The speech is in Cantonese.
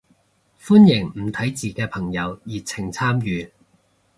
歡迎唔睇字嘅朋友熱情參與